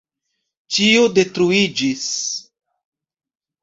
Ĉio detruiĝis.